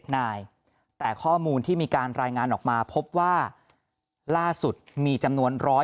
นายแต่ข้อมูลที่มีการรายงานออกมาพบว่าล่าสุดมีจำนวน๑๐๐